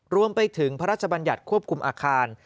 รวมไปถึงพระราชบัญญัติควบคุมอาคาร